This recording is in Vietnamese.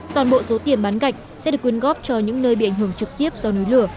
toàn bộ số tiền bán gạch sẽ được quyên góp cho những nơi bị ảnh hưởng trực tiếp do núi lửa